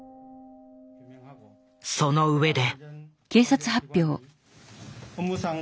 その上で。